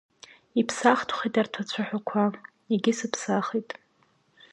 Иԥсахтәхеит арҭ ацәаҳәақәагьы, иагьысыԥсахит…